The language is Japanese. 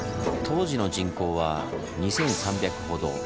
当時の人口は２，３００ほど。